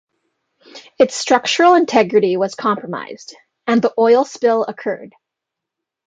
Its structural integrity was compromised, and then the oil spill occurred.